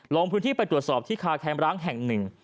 ลงพื้นที่ไปตรวจสอบที่คาแคมร้างแห่งหนึ่ง